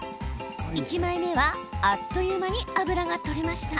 １枚目は、あっという間に油が取れました。